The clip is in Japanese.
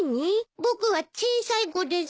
僕は小さい子ですか？